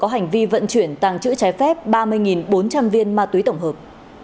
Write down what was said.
có hành vi vận chuyển tàng chữ trái phép ba mươi bốn trăm linh viên ma túy tổng hợp